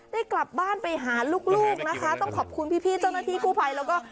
ได้กลับบ้านไปหาลูกนะคะต้องขอบคุณพี่เจ้าหน้าที่คู่ภัยแล้วก็